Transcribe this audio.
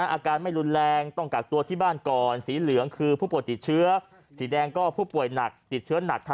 อาการไม่รุนแรงต้องกักตัวที่บ้านก่อนสีเหลืองคือผู้ป่วยติดเชื้อสีแดงก็ผู้ป่วยหนักติดเชื้อหนัก